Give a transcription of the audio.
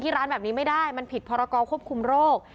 ร้านแบบนี้ไม่ได้มันผิดพรกรควบคุมโรค